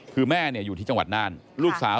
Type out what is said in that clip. คือแม่อยู่ที่จังหวัดน่านลูกสาว